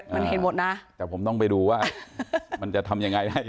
มันเห็นหมดนะแต่ผมต้องไปดูว่ามันจะทำยังไงได้